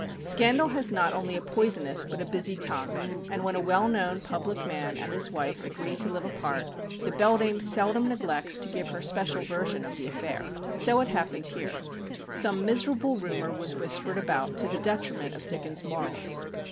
Scandal has not only a poisonous, but a busy tongue, and when a well known public man and his wife agree to live apart, the beldame seldom neglects to give her special version of the affair. So it happened here. Some miserable rumour was whispered about to the detriment of Dickens' morals.